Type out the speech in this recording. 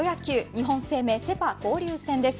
日本生命セ・パ交流戦です。